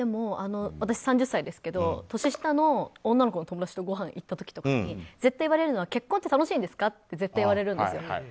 私、３０歳ですけど年下の女の子の友達とごはん行った時とかに絶対言われるのが結婚って楽しいんですか？って絶対言われるんですよ。